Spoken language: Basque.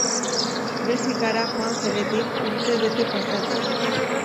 Belgikara joan zenetik urte bete pasa da.